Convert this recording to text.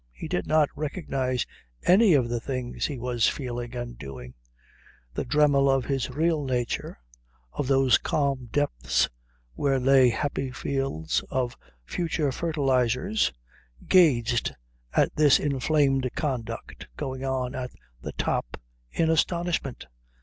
He did not recognize any of the things he was feeling and doing. The Dremmel of his real nature, of those calm depths where lay happy fields of future fertilizers, gazed at this inflamed conduct going on at the top in astonishment.